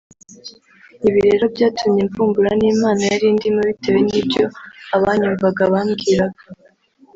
Ibi rero byatumye mvumbura n’impano yari indimo bitewe n’ibyo abanyumvaga bambwiraga